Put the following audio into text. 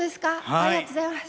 ありがとうございます。